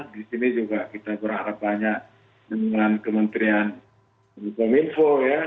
di sini juga kita berharap banyak dengan kementerian kominfo ya